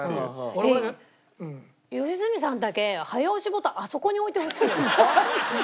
良純さんだけ早押しボタンあそこに置いてほしい。